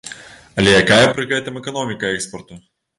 Але якая пры гэтым эканоміка экспарту?